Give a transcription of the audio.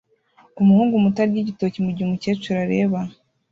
Umuhungu muto arya igitoki mugihe umukecuru areba